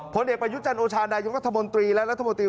ผลเอกประยุจันทร์โอชานายกรัฐมนตรีและรัฐมนตรี